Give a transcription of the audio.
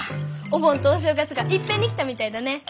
お盆とお正月がいっぺんに来たみたいだね。